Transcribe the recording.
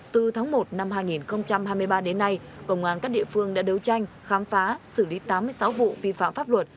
từ tháng một năm hai nghìn hai mươi ba đến nay công an các địa phương đã đấu tranh khám phá xử lý tám mươi sáu vụ vi phạm pháp luật